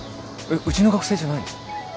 うちの学生じゃないの？